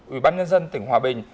ủy ban nhân dân tỉnh hòa bình